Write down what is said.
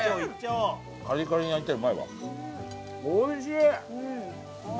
おいしい！